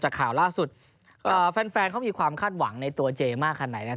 ข่าวล่าสุดแฟนเขามีความคาดหวังในตัวเจมากขนาดไหนนะครับ